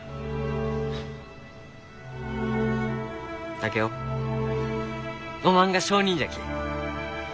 竹雄おまんが証人じゃき。